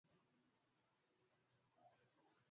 Katika Oparesheni hiyo Afrika kusini ilikuwa ikitoa